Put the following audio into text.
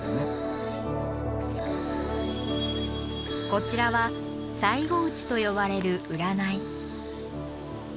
こちらは「賽護打ち」と呼ばれる占い。